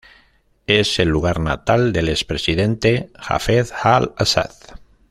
Es el lugar natal del expresidente Hafez al-Asad.